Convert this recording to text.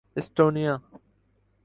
Estonia